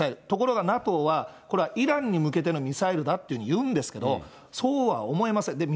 ところがＮＡＴＯは、これはイランに向けてのミサイルだっていうふうに言うんですけど、そうは思えません。